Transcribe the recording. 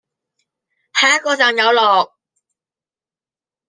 下一個站有落